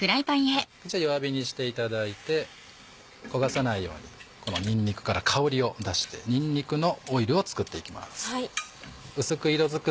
こちら弱火にしていただいて焦がさないようにこのにんにくから香りを出してにんにくのオイルを作っていきます。